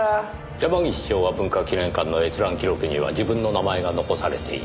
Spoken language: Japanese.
山岸昭和文化記念館の閲覧記録には自分の名前が残されている。